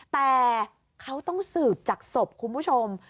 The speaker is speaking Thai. แต่เขาต้องสืบจากศพคุณผู้ชม